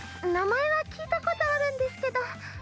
名前は聞いたことあるんですけど。